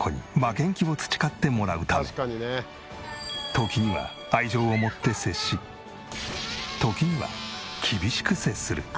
時には愛情を持って接し時には厳しく接する。